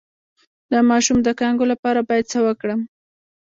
د ماشوم د کانګو لپاره باید څه وکړم؟